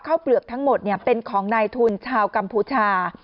เปลือกทั้งหมดเป็นของนายทุนชาวกัมพูชา